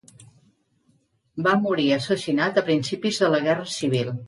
Va morir assassinat a principis de la Guerra Civil.